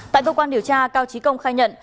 tại cơ quan điều tra cao trí công khai nhận